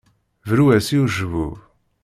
Bru-as i ucebbub.